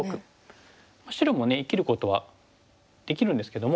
白もね生きることはできるんですけども。